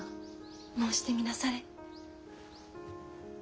申してみなされ。